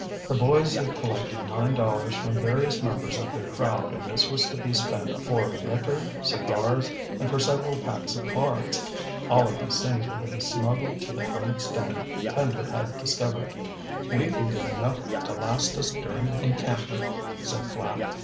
The boys had collected nine dollars from various members of their crowd and this was to be spent for liquor, cigars, and for several packs of cards. All of these things were to be smuggled to the hermit's den Pender had discovered. "We can get enough to last us during the encampment," said Flapp.